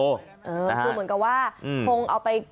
คือเหมือนกับว่าคงเอาไป